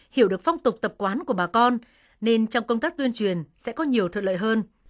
hiểu được phong tục tập quán của bà con nên trong công tác tuyên truyền sẽ có nhiều thuận lợi hơn